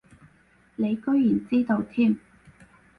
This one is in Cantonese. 你居然知道添